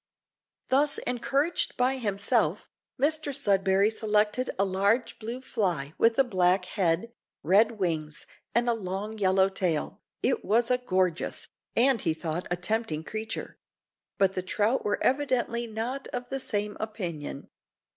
Thus encouraged by himself, Mr Sudberry selected a large blue fly with a black head, red wings, and a long yellow tail. It was a gorgeous, and he thought a tempting creature; but the trout were evidently not of the same opinion.